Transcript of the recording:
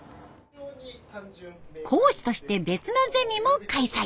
講師として別のゼミも開催。